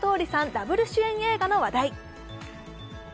ダブル主演映画の話題。